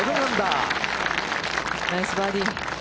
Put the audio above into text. ナイスバーディー。